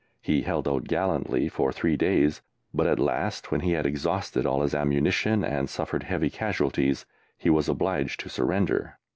He held out gallantly for three days; but at last, when he had exhausted all his ammunition and suffered heavy casualties, he was obliged to surrender.